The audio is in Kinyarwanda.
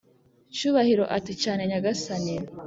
cyubahiro ati"cyane nyagasani"